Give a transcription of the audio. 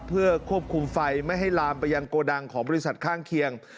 เพื่อควบคุมไฟไม่ให้ลามไปยังโกดังของบริษัทข้างเคียง